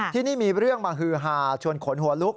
ที่นี่มีเรื่องมาฮือฮาชวนขนหัวลุก